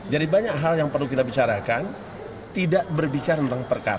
jadi banyak hal yang perlu kita bicarakan tidak berbicara tentang perkara